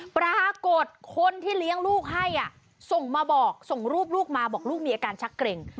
ปรากฏคนที่เลี้ยงลูกให้ส่งมาบอกส่งรูปลูกมาบอกลูกมีอาการชักเกร็ง